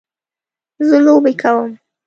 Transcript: زه لوبې کوم